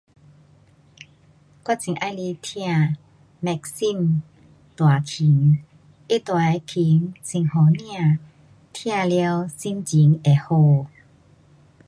我很喜欢听 maksim 弹琴。因为他弹的琴很好听。听了心情会好。